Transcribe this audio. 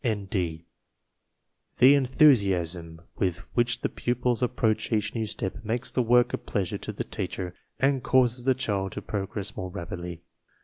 (N. D.) "The enthusiasm with which the pupils approach each new step makes the work a pleasure to the teacher and causes the child to progress more rapidly.